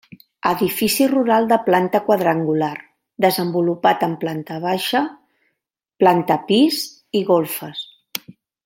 Edifici rural de planta quadrangular, desenvolupat en planta baixa, planta pis i golfes.